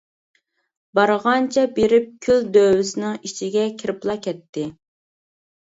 بارغانچە بېرىپ كۈل دۆۋىسىنىڭ ئىچىگە كىرىپلا كەتتى.